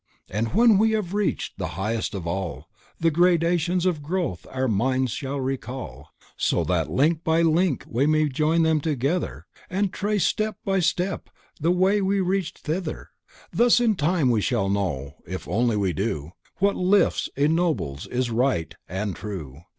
And when we have reached to the highest of all, The gradations of growth our minds shall recall So that link by link we may join them together And trace step by step the way we reached thither. Thus in time we shall know, if only we do What lifts, ennobles, is right and true.